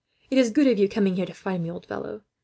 "It is good of you coming here to find me, old fellow.